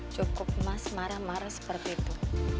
cukup mas marah marah seperti itu